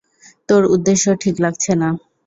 তোর উদ্দেশ্য ঠিক লাগছে না।